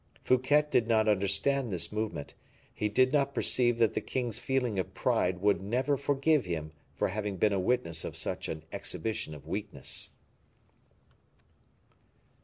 Fouquet did not understand this movement; he did not perceive that the king's feeling of pride would never forgive him for having been a witness of such an exhibition of weakness.